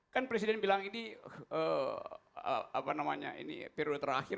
kan presiden bilang ini periode terakhir